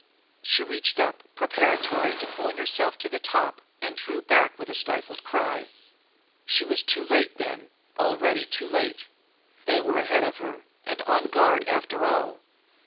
She reached up, preparatory to pulling herself to the top and drew back with a stifled cry. She was too late, then already too late! They were here ahead of her and on guard after all!